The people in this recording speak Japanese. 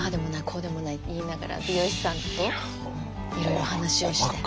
こうでもないって言いながら美容師さんといろいろ話をして。